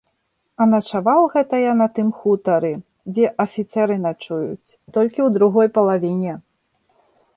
А начаваў гэта я на тым хутары, дзе афіцэры начуюць, толькі ў другой палавіне.